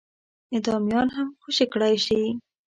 اعدامیان هم خوشي کړای شي.